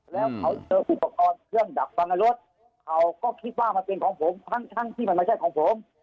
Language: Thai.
แล้วเขาเจออุปกรณ์เครื่องดักฟังในรถเขาก็คิดว่ามันเป็นของผมทั้งที่มันไม่ใช่ของผม